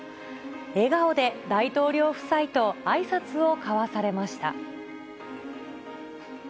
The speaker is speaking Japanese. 笑顔で大統領夫妻とあいさつを交わされました。